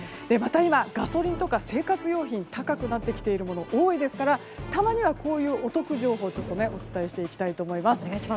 また今、ガソリンとか生活用品高くなっているもの多いですからたまにはこういうお得情報をお伝えしていきたいと思います。